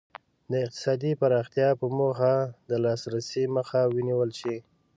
د اقتصادي پراختیا په موخه د لاسرسي مخه ونیول شي.